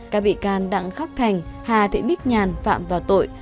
các bị can đặng khắc thành hà thị bích nhàn phạm vào tội